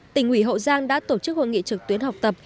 tỉnh ủy hậu giang đã tổ chức hội nghị trực tuyến học tập